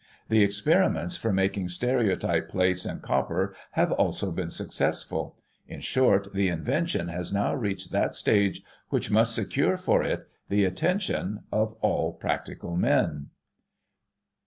The experiments for making stereotype plates in copper have, also, been successful. In short, the invention has now reached that stage which must secure for it the attention of all practical men."